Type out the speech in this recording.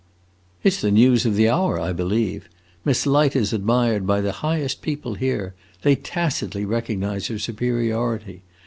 "It 's the news of the hour, I believe. Miss Light is admired by the highest people here. They tacitly recognize her superiority.